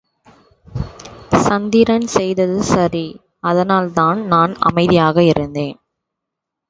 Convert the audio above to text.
சந்திரன் செய்தது சரி அதனால் தான் நான் அமைதியாக இருந்தேன்.